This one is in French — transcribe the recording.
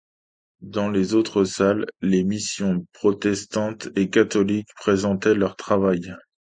Dans les autres salles, les missions protestante et catholique présentaient leur travail.